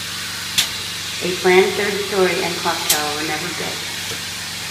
A planned third storey and clocktower were never built.